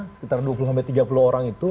sekitar dua puluh tiga puluh orang itu